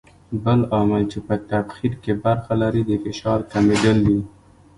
بل عامل چې په تبخیر کې برخه لري د فشار کمېدل دي.